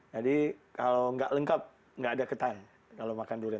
jadi kalau nggak lengkap nggak ada ketan kalau makan durian